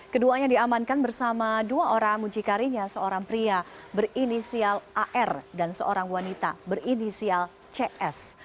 keduanya diamankan bersama dua orang mucikarinya seorang pria berinisial ar dan seorang wanita berinisial cs